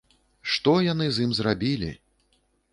Што яны з ім зрабілі!